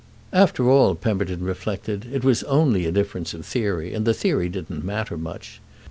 After all, Pemberton reflected, it was only a difference of theory and the theory didn't matter much.